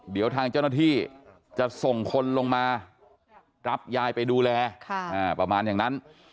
เดี๋ยวทางเจ้าหน้าที่จะส่งคนลงมารับยายไปดูแลประมาณอย่างนั้น